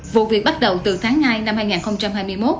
vụ việc bắt đầu từ tháng hai năm hai nghìn hai mươi một